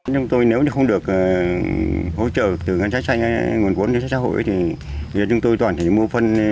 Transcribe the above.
chúng tôi nếu không được hỗ trợ từ ngân hàng chính sách xã hội thì chúng tôi toàn phải mua phân